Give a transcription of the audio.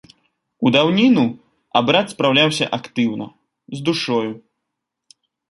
У даўніну абрад спраўляўся актыўна, з душою.